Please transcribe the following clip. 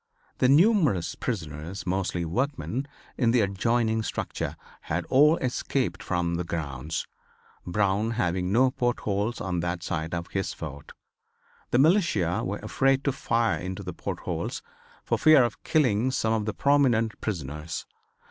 The numerous prisoners, mostly workmen, in the adjoining structure had all escaped from the grounds, Brown having no port holes on that side of his fort. The militia were afraid to fire into the port holes for fear of killing some of the prominent prisoners.